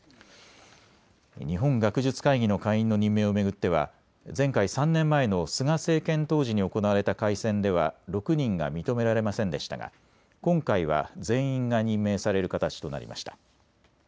日本学術会議の会員の任命を巡っては前回３年前の菅政権当時に行われた改選では６人が認められませんでしたが今回は全員が任命される形となりました。